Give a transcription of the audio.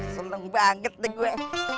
seneng banget deh gue